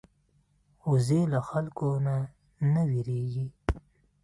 وزې له خلکو نه نه وېرېږي